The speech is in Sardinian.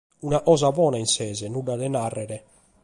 Una cosa bona in sese, nudda de nàrrere.